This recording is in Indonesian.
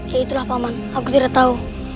ya itulah paman aku tidak tahu